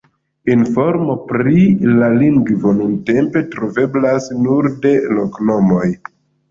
Informo pri la lingvo nuntempe troveblas nur de loknomoj.